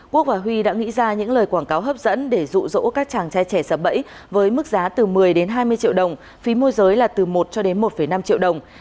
quốc và huy đã nghĩ ra những lời quảng cáo hấp dẫn để dụ dỗ các chàng trai trẻ sập bẫy với mức giá từ một mươi đến hai mươi triệu đồng phí môi giới là từ một cho đến một năm triệu đồng